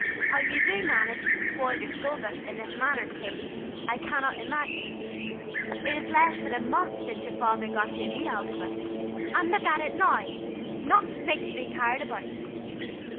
How you do manage to spoil your school books in this manner, Katy, I cannot imagine. It is less than a month since your father got you a new algebra, and look at it now not fit to be carried about.